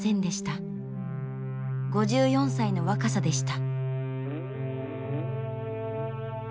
５４歳の若さでした。